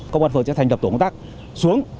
công an phường sẽ thành lập tổng tác xuống